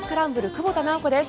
久保田直子です。